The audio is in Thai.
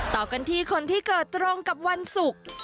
ต่อกันที่คนที่เกิดตรงกับวันศุกร์